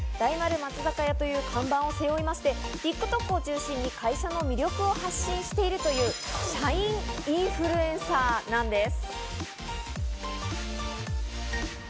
大丸松坂屋という看板を背負いまして、ＴｉｋＴｏｋを中心に会社の魅力を発信しているという社員インフルエンサーなんです。